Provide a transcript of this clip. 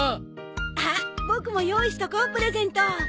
あっボクも用意しとこうプレゼント。